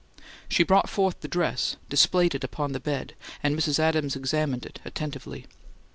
She brought forth the dress, displayed it upon the bed, and Mrs. Adams examined it attentively.